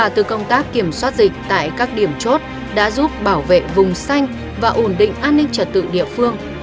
từ công tác kiểm soát dịch tại các điểm chốt đã giúp bảo vệ vùng xanh và ổn định an ninh trật tự địa phương